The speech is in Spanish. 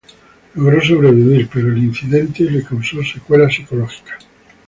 Logró sobrevivir pero el incidente le causó secuelas psicológicas.